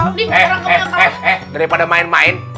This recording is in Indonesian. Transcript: eh eh daripada main main